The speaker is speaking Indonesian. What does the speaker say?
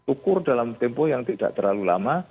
ukur dalam tempo yang tidak terlalu lama